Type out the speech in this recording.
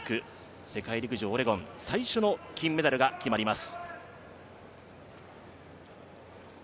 トラック種目、世界陸上オレゴン最初の金メダルが決まります。